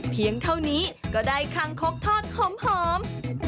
เพียงเท่านี้ก็ได้คางคกทอดหอม